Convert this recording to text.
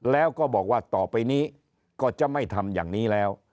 แล้วก็บอกว่าต่อไปนี้ก็จะไม่ทำอย่างนี้แล้ว